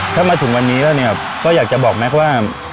ถ้ามาถึงวันนี้แล้วเนี่ยก็อยากจะบอกแม็กซ์ว่า